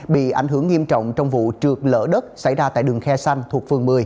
bị ảnh hưởng nghiêm trọng trong vụ trượt lở đất xảy ra tại đường khe xanh thuộc phường một mươi